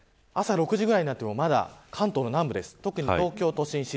朝６時ぐらいになってもまだ関東の南部です。